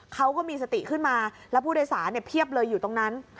เขาก็มีสติขึ้นมาแล้วผู้โดยสารเพียบเลยอยู่ตรงนั้น